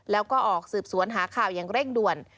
แล้วก็ออกสืบสวนหาข่าวอย่างเร่งด่วน